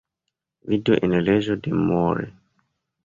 Vidu en leĝo de Moore.